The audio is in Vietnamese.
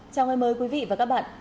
chào mừng quý vị và các bạn